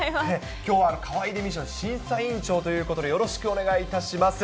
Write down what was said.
きょうは、かわいいデミー賞審査委員長ということで、よろしくお願いいたします。